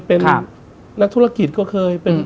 เป็นนักธุรกิจก็เคย